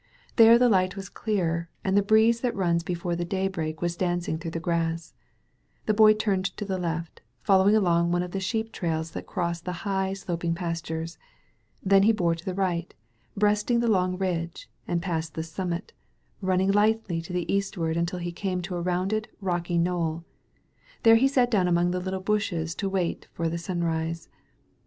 There the light was clearer, and the breeze that runs be fore the daybreak was dancing through the grass. The Boy turned to the left, following along one of the sheep traik that crossed the high, sloping pas tures. Then he bore to the right, breasting the long ridge, and passed the summit, running lightly to the eastward until he came to a rounded, rocky knoll. There he sat down among the little bushes to wait for sunrise.